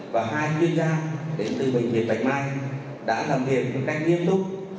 và hai chuyên gia đến từ bệnh viện bạch mai đã làm việc một cách nghiêm túc